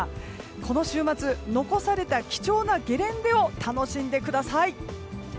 この週末残された貴重なゲレンデを楽しんでください。